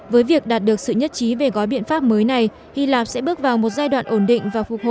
với việc đạt được sự nhất trí về gói biện pháp mới này hy lạp sẽ bước vào một giai đoạn ổn định và phục hồi